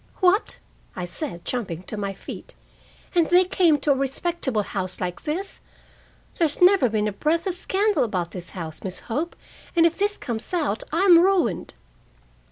"What!" I said, jumping to my feet, "and they came to a respectable house like this! There's never been a breath of scandal about this house, Miss Hope, and if this comes out I'm ruined."